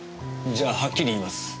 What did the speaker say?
じゃあはっきり言います。